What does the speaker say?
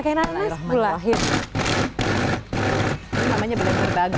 ini rasanya beled beled banget